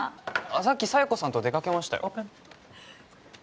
さっき佐弥子さんと出かけましたよ